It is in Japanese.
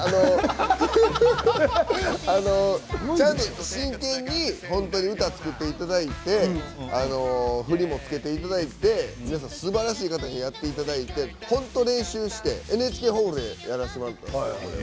ちゃんと真剣に歌を作っていただいて振りもつけていただいて皆さんすばらしい方にやっていただいて本当に練習してＮＨＫホールでやらせてもらって。